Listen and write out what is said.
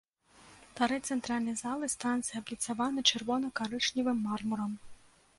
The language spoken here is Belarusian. Тарэц цэнтральнай залы станцыі абліцаваны чырвона-карычневым мармурам.